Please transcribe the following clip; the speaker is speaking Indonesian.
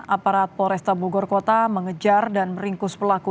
aparat polresta bogor kota mengejar dan meringkus pelaku